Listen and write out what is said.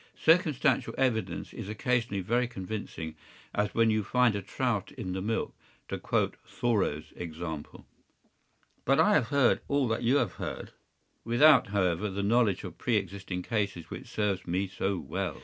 Circumstantial evidence is occasionally very convincing, as when you find a trout in the milk, to quote Thoreau’s example.” “But I have heard all that you have heard.” “Without, however, the knowledge of pre existing cases which serves me so well.